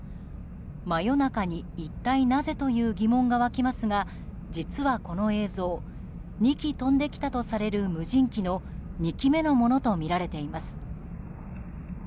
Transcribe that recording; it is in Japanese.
真夜中に一体なぜという疑問が湧きますが実はこの映像２機飛んできたとされる無人機の２機目のものとみられています。